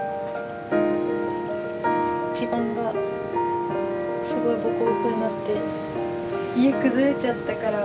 地盤がすごいボコボコになって家崩れちゃったから。